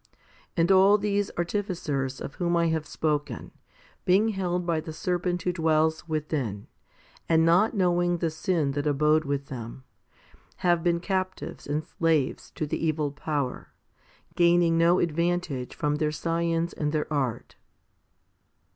And all these artificers of whom I have spoken, being held by the serpent who dwells within, and not knowing the sin that abode with them, have been captives and slaves to the evil power, gaining no advantage from their science and their art.